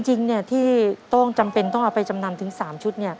จริงที่โต้งจำเป็นต้องเอาไปจำนำถึง๓ชุด